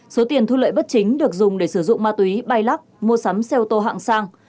số tiền thu lợi bất chính được dùng để sử dụng ma túy bay lắc mua sắm xe ô tô hạng sang